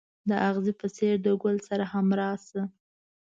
د اغزي په څېر د ګل سره همراز شه.